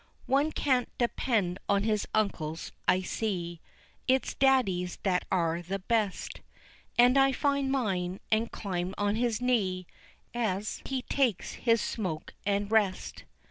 One can't depend on his uncles, I see, It's daddies that are the best, And I find mine and climb on his knee As he takes his smoke and rest.